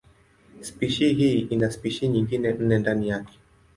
Spishi hii ina spishi nyingine nne ndani yake.